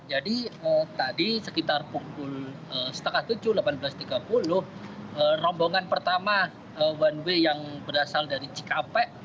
jadi tadi sekitar pukul setengah tujuh delapan belas tiga puluh rombongan pertama one way yang berasal dari cikapek